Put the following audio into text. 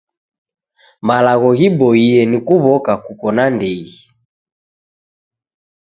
Malagho ghiboiye ni kuw'oka kuko na ndighi.